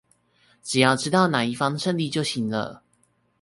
只要知道那一方勝利就行了